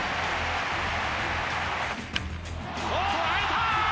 捉えた！